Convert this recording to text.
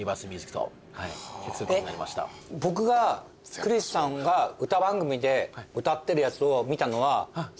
僕がクリスさんが歌番組で歌ってるやつを見たのはそれは日テレのやつ？